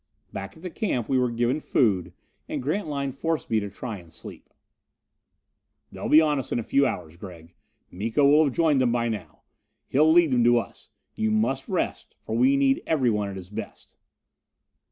Back at the camp we were given food, and Grantline forced me to try and sleep. "They'll be on us in a few hours, Gregg. Miko will have joined them by now. He'll lead them to us. You must rest, for we need everyone at his best."